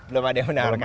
belum ada yang menawarkan